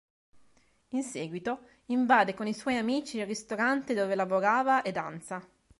In seguito, invade con i suoi amici il ristorante dove lavorava e danza.